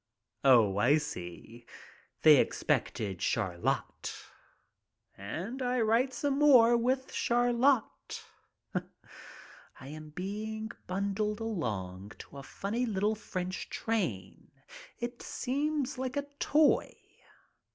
Oh, I see! They expected "Chariot." And I write some more with "Chariot." I am being bundled along to a funny little French train. It seems like a toy.